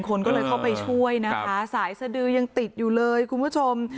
คนก็เลยเข้าไปช่วยนะคะสายสดือยังติดอยู่เลยคุณผู้ชม